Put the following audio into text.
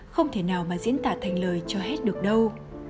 không thể nào mà diễn tả thành lời cho hết được đâu